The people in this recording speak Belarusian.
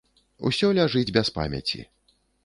Усё ляжыць без памяці.